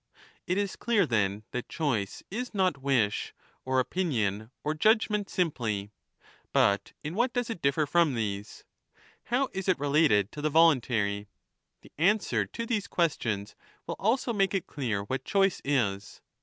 It is clear, then, thatcHbice is not wish, or opinion, or judge ment simply. But in what does it differ from these? How is it related to the voluntary ? The answer to these ques tions will also make it clear what choice is.